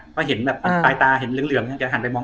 เพราะเห็นแบบอืมปลายตาเห็นเหลืองเหลืองน่ะแกหันไปมอง